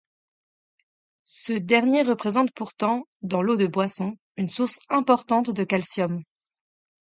Ce dernier représente pourtant, dans l’eau de boisson, une source importante de calcium.